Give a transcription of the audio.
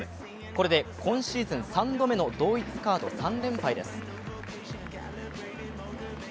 これで今シーズン３度目の同一カード３連敗です。